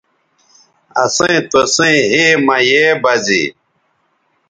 اسئیں توسئیں ھے مہ یے بزے